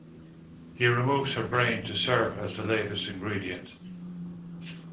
He removes her brain to serve as the latest ingredient.